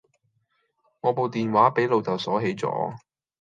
我部電話俾老竇鎖起咗